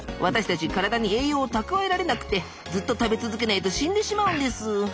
私たち体に栄養を蓄えられなくてずっと食べ続けないと死んでしまうんです。